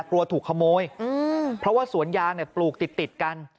กลัวถูกขโมยเพราะว่าสวนยางเนี่ยปลูกติดติดกัน